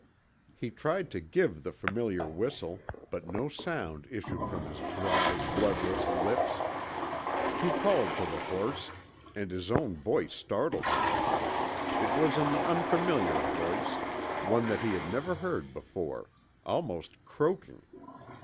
He tried to give the familiar whistle, but no sound issued from his dry, bloodless lips. He called to the horse, and his own voice startled him. It was an unfamiliar voice, one that he had never heard before almost croaking.